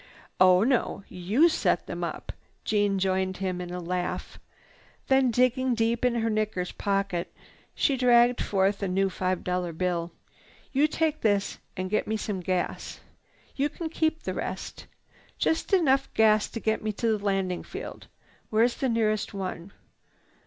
"Oh no; you set them up." Jeanne joined him in the laugh. Then, digging deep in her knickers pocket, she dragged forth a new five dollar bill. "You take this and get me some gas. You can keep the rest. Just enough gas to take me to the landing field. Where is the nearest one?"